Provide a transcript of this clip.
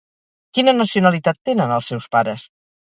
Quina nacionalitat tenen els seus pares?